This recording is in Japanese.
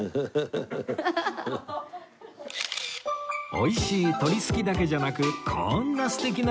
美味しい鳥すきだけじゃなくこんな素敵な写真まで